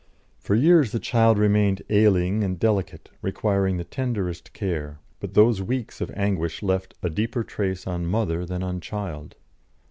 For years the child remained ailing and delicate, requiring the tenderest care, but those weeks of anguish left a deeper trace on mother than on child.